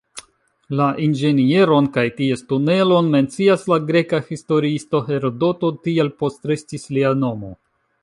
La inĝenieron kaj ties tunelon mencias la greka historiisto Herodoto, tiel postrestis lia nomo.